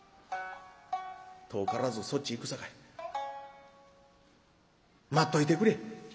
遠からずそっちへ行くさかい待っといてくれ」。